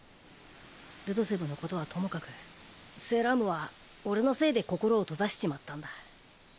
ルドセブのことはともかくセイラームは俺のせいで心を閉ざしちまったんだ。